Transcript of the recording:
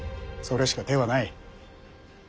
それしか手はない。